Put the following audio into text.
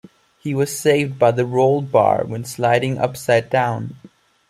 He was saved by the roll bar when sliding upside down.